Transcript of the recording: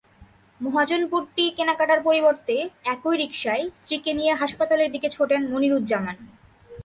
মহাজনপট্টি কেনাকাটার পরিবর্তে একই রিকশায় স্ত্রীকে নিয়ে হাসপাতালের দিকে ছোটেন মনিরুজ্জামান।